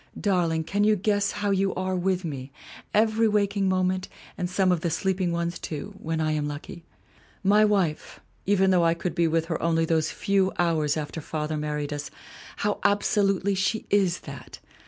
Darling, can you guess 252 THE WOMEN WHO MAKE OUR NOVELS how you are with me, every waking moment and some of the sleeping ones too, when I'm lucky? My wife even though I could be with her only those few hours after Father married us how absolutely she is that!